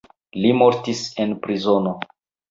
Li mortis en prizono.